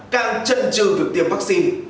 càng chân trừ việc tiêm vaccine